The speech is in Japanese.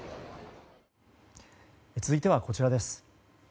続いては、こちらです。